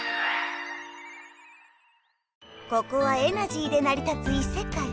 ここはエナジーでなり立ついせかい。